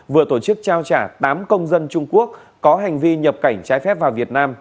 vừa tổ chức trao trả tám công dân trung quốc có hành vi nhập cảnh trái phép vào việt nam